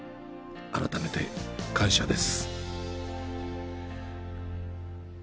改めて感謝です。